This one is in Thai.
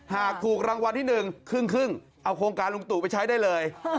หากถูกรางวัลที่๑ครึ่งเอาโครงการลุงตู่ไปใช้ได้เลย